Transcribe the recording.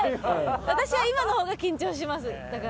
私は今のほうが緊張しますだから。